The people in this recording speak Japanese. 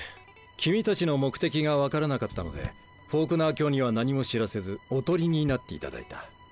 君たちの目的が分からなかったのでフォークナー卿には何も知らせずおとりになっていただいた。